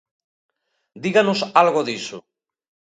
Díganos algo diso.